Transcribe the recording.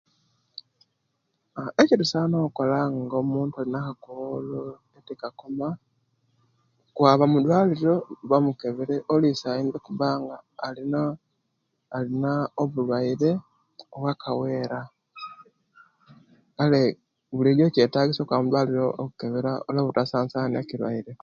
Aah ekitusana okola nga omuntu alina akakoolo etikakoma kwaba mudwaliro bamukebere oluisi ayinza okuba nga alina alina obulwaire bwakabwera kale bulijo kyetagisya okwaba muidwaliro okutegera olwo butasansanya kilwaire